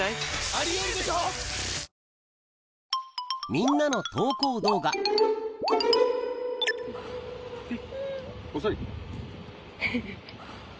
みんなの投稿動画ティ。